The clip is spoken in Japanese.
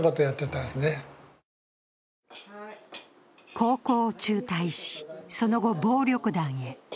高校を中退し、その後、暴力団へ。